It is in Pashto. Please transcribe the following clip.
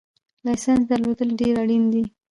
لایسنس درلودل ډېر اړین دي